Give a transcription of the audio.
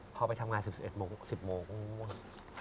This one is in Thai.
พอไปทำงาน๑๑โมง๑๐โมง